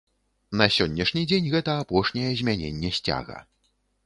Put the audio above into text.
На сённяшні дзень гэта апошняе змяненне сцяга.